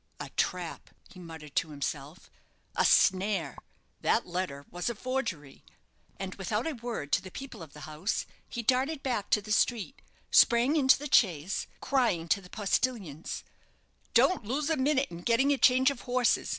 "A trap!" he muttered to himself; "a snare! That letter was a forgery!" And without a word to the people of the house, he darted back to the street, sprang into the chaise, crying to the postillions, "Don't lose a minute in getting a change of horses.